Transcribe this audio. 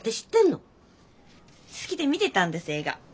好きで見てたんです映画。